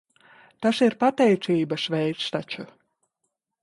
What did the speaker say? Tas ir pateicības veids taču.